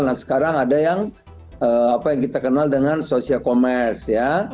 nah sekarang ada yang kita kenal dengan social commerce